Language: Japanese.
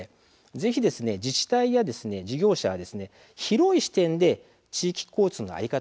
ぜひ自治体や事業者は広い視点で地域交通の在り方